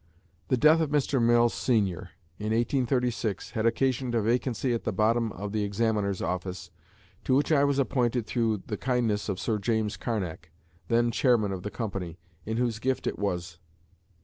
The death of Mr. Mill senior, in 1836, had occasioned a vacancy at the bottom of the examiner's office, to which I was appointed through the kindness of Sir James Carnac, then chairman of the Company, in whose gift it was.